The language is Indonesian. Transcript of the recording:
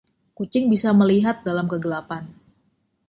Kucing bisa melihat dalam kegelapan.